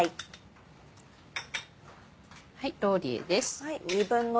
ローリエです。